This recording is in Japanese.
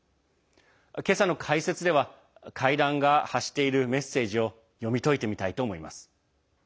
今朝の解説では会談が発しているメッセージを読み解いてみたいと思います。